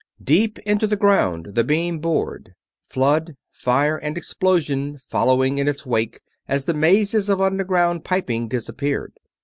Deep into the ground the beam bored; flood, fire, and explosion following in its wake as the mazes of underground piping disappeared.